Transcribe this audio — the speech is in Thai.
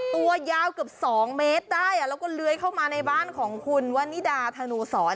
ตัวยาวเกือบ๒เมตรได้แล้วก็เลื้อยเข้ามาในบ้านของคุณวันนิดาธนูสอน